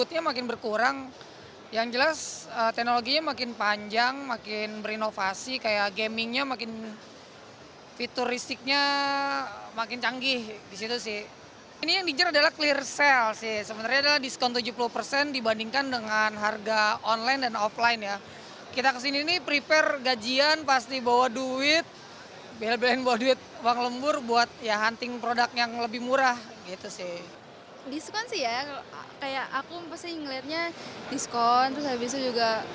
diskon sih ya kayak aku pasti ngeliatnya diskon terus habis itu juga mau cari cari apa yang baru ada yang baru apa enggak gitu